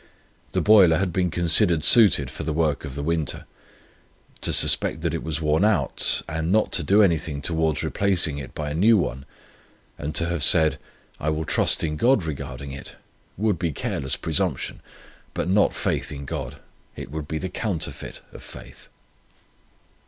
The boiler had been considered suited for the work of the winter. To suspect that it was worn out, and not to do anything towards replacing it by a new one, and to have said, I will trust in God regarding it, would be careless presumption, but not faith in God. It would be the counterfeit of faith.